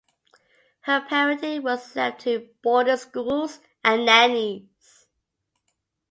Her parenting was left to boarding schools and nannies.